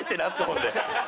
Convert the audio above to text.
ほんで。